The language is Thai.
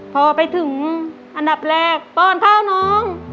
พอไปถึงอันดับแรกป้อนข้าวน้อง